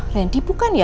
randy bukan ya